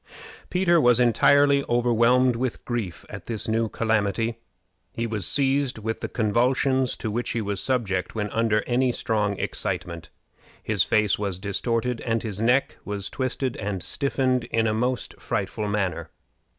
Peter was entirely overwhelmed with grief at this new calamity. He was seized with the convulsions to which he was subject when under any strong excitement, his face was distorted, and his neck was twisted and stiffened in a most frightful manner.